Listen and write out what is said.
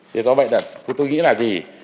thế do vậy là tôi nghĩ là gì